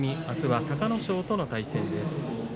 あすは隆の勝との対戦です。